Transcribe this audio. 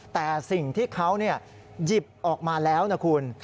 แต่สิ่งที่เขาหยิบออกมาแล้วนะคุณ